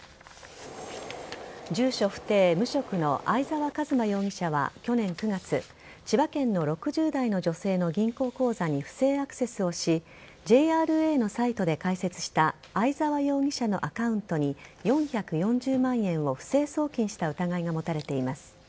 住所不定無職の相沢一馬容疑者は去年９月千葉県の６０代の女性の銀行口座に不正アクセスをしＪＲＡのサイトで開設した相沢容疑者のアカウントに４４０万円を不正送金した疑いが持たれています。